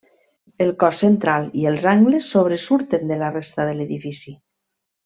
El cos central i els angles sobresurten de la resta de l'edifici.